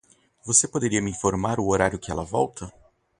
Você poderia me informar o horário que ele volta?